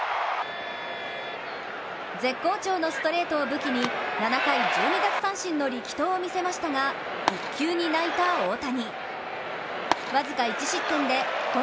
絶好調のストレートを武器に７回１２奪三振の力投を見せましたが、１球に泣いた大谷。